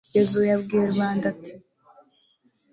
yozuwe abwira rubanda ati